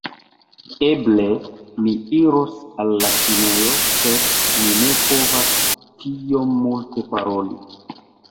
Eble, mi iros al la kinejo sed mi ne povas tiom multe paroli